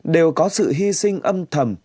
đều có sự hy sinh âm thầm